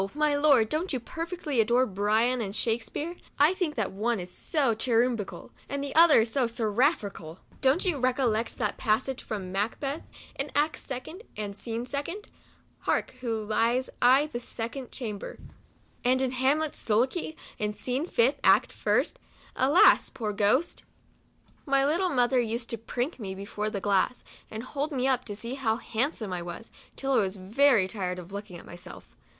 My Lord, don't you perfectly adore Byron and Shakspeare \ I think that one is so COUNTRY DOLL. 67 4 clierubimicalj and the other so 4 seraph icaV Don't you recollect that passage from 4 Macbeth,' in act second, and scene second, 4 Hark, who lies i' the second chamber ;' and in Hamlet's 8 solakey ' in scene fifth, act first, 4 Alas ! poor ghost] '" My little mother used to prink before the glass, and hold me up to see how handsome I was, till I was very tired of looking at myself.